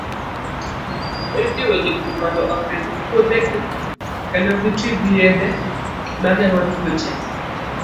Ijiwo jopur mondo opidh puothegi kendo giti gi yedhe ma geng'o tuoche.